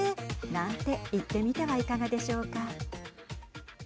なんて言ってみてはいかがでしょうか。